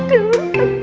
aduh putra kidul